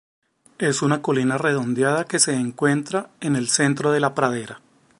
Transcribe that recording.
Es una colina redondeada que se encuentra en el centro de la pradera.